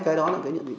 cái đó là cái nhận định